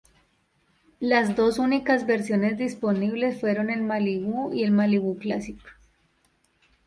Las dos únicas versiones disponibles fueron el Malibu y el Malibu Classic.